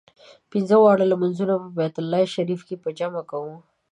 پنځه واړه لمونځونه په بیت الله شریف کې په جمع کوو.